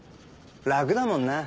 楽だもんな。